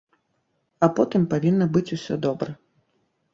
А потым павінна быць усё добра.